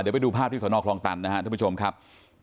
เดี๋ยวไปดูภาพที่สนคลองตันนะครับท่านผู้ชมครับ